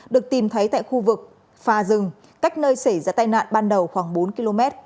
được tìm thấy tại khu vực phà rừng cách nơi xảy ra tai nạn ban đầu khoảng bốn km